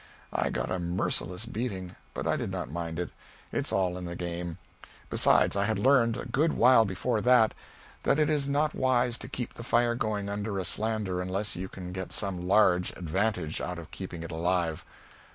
I got a merciless beating, but I did not mind it. It's all in the game. Besides, I had learned, a good while before that, that it is not wise to keep the fire going under a slander unless you can get some large advantage out of keeping it alive.